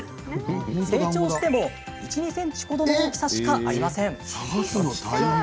成長しても１２ｃｍほどの大きさしかありません。